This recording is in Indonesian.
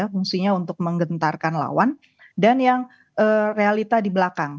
fungsinya untuk menggentarkan lawan dan yang realita di belakang